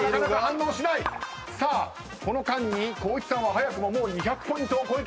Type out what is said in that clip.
この間に光一さんは早くももう２００ポイントを超えてきている。